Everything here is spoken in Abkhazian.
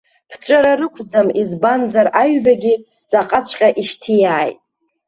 Ԥҵәара рықәӡам, избанзар аҩбагьы ҵаҟаҵәҟьа ишьҭиааит.